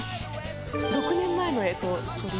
６年前の干支とり。